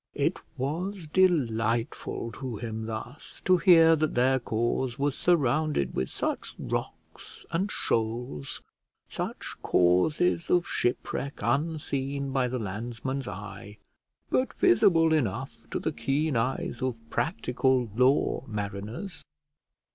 It was delightful to him thus to hear that their cause was surrounded with such rocks and shoals; such causes of shipwreck unseen by the landsman's eye, but visible enough to the keen eyes of practical law mariners.